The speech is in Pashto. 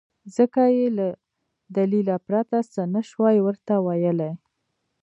ځکه يې له دليله پرته څه نه شوای ورته ويلی.